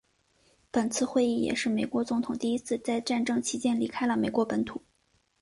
本次会议也是美国总统第一次在战争期间离开了美国本土。